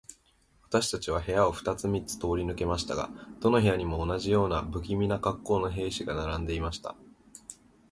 私たちは部屋を二つ三つ通り抜けましたが、どの部屋にも、同じような無気味な恰好の兵士が並んでいました。